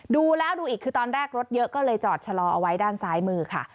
ดูแล้วดูอีกคือตอนแรกรถเยอะก็เลยจอดชะลอเอาไว้ด้านซ้ายมือค่ะ